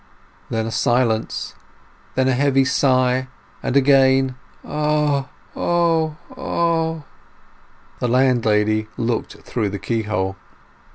Then a silence, then a heavy sigh, and again— "O—O—O!" The landlady looked through the keyhole.